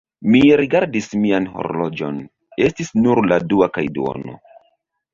Mi rigardis mian horloĝon: estis nur la dua kaj duono.